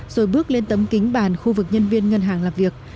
rồi bước lên tấm kính bàn khu vực nhân viên ngân hàng làm việc